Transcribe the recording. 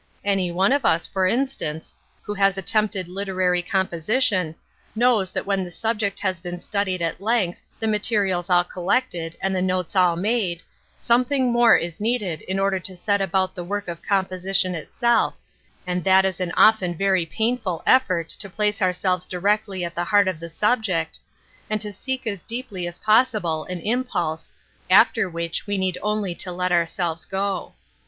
Any one of us, for instance, who has attempted literary 90 An Introduction to cMDpositiOD, kBows that wheQ the subjel hag been stadied at length, the materials all collected, and the notes all made, some thing more is needed in order to set about the work of composition itself, and that is an often very painfal effort to place our Belvea directly at the heart of the subject, and to seek as deeply as possible an im pulse, after which we need only let our selveB go.